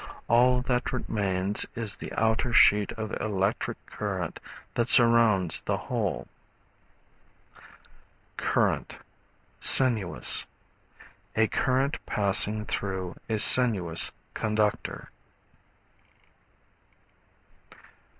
All that remains is the outer sheet of electric current that surrounds the whole. Current, Sinuous. A current passing through a sinuous conductor.